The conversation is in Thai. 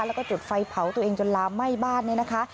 แล้วก็จุดไฟเผาตัวเองจนลามไหม้บ้านเนี่ยนะคะ